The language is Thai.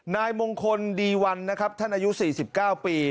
นายมงคลดีวันนะครับท่านอายุ๔๙ปี